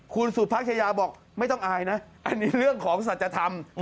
คุณสุพัชยาบอกไม่ต้องอายนะอันนี้เรื่องของสัจธรรม